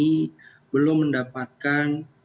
yang berpengalaman dengan penyelidikan ini